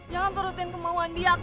jangan turutin kemauan dia